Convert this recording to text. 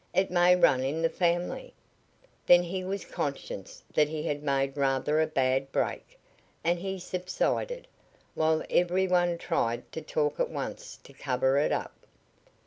"It may run in the family " Then he was conscious that he had made rather a bad "break," and he subsided, while every one tried to talk at once to cover it up.